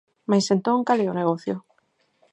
Mais entón, cal é o negocio?